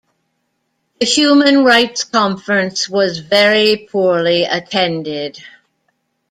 The Human Rights Conference was very poorly attended.